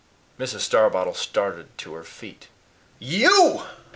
Mrs. Starbottle started to her feet. "YOU!"